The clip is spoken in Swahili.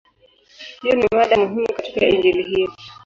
Hiyo ni mada muhimu katika Injili hiyo.